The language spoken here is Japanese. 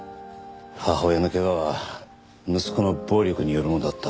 母親の怪我は息子の暴力によるものだった。